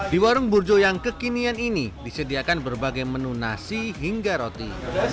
di warung burjo yang kekinian ini disediakan berbagai menu nasi hingga roti